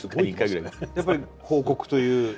やっぱり報告という。